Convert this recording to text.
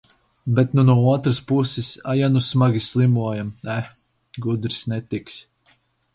Bet nu no otras puses, a ja nu smagi slimojam, eh, gudrs netiksi...